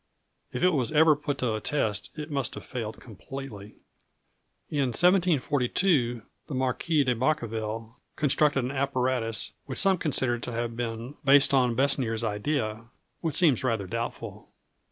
If it was ever put to a test it must have failed completely. In 1742, the Marquis de Bacqueville constructed an apparatus which some consider to have been based on Besnier's idea which seems rather doubtful.